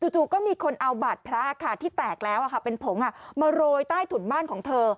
จู่ก็มีคนเอาบาดพระค่ะที่แตกแล้วเป็นผงมาโรยใต้ถุนบ้านของเธอ